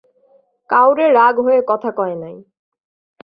কাউরে রাগ হয়ে কথা কয় নাই।